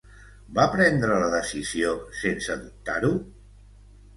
Va prendre la decisió sense dubtar-ho?